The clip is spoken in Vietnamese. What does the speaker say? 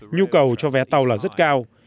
nhu cầu cho vé tàu là rất cao